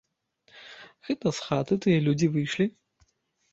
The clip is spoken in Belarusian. Гэта з хаты тыя людзі выйшлі?